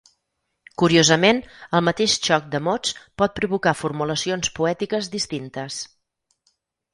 Curiosament, el mateix xoc de mots pot provocar formulacions poètiques distintes.